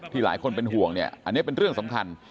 ที่หลายคนเป็นห่วงอันนี้เป็นเรื่องสำคัญ